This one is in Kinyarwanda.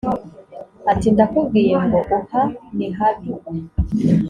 ati ndakubwiye ngo uha nihabi